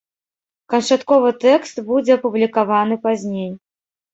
Канчатковы тэкст будзе апублікаваны пазней.